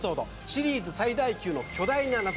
シリーズ最大級の巨大な謎。